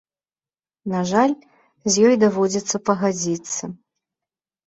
На жаль, з ёй даводзіцца пагадзіцца.